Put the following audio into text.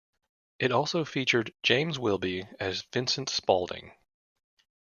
It also featured James Wilby as Vincent Spaulding.